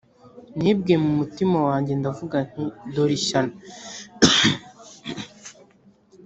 nibwiye mu mutima wanjye ndavuga nti dore ishyano